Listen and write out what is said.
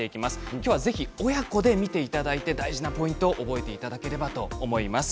今日はぜひ親子で見ていただいて大事なポイントを覚えていただければと思います。